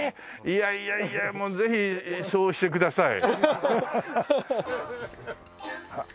いやいやいやもうぜひそうしてください。